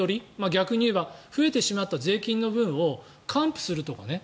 逆に言えば増えてしまった税金の分を還付するとかね。